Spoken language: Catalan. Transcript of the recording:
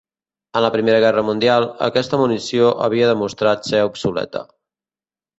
En la Primera Guerra Mundial, aquesta munició havia demostrat ser obsoleta.